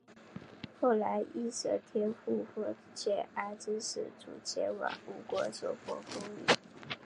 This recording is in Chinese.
后来应神天皇复遣阿知使主前往吴国求缝工女。